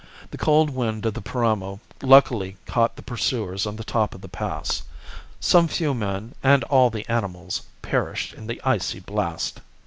The cold wind of the Paramo luckily caught the pursuers on the top of the pass. Some few men, and all the animals, perished in the icy blast.